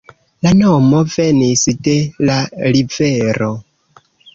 La nomo venis de la rivero.